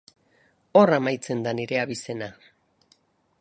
Hor amaitzen da nire abizena.